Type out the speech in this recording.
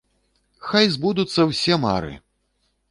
Хай збудуцца ўсе мары!